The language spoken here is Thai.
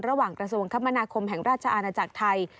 กระทรวงคมนาคมแห่งราชอาณาจักรไทย